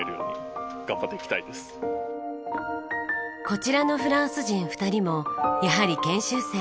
こちらのフランス人２人もやはり研修生。